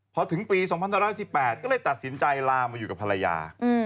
พอถึงปี๒๑๘ก็เลยตัดสินใจลามาอยู่กับภรรยา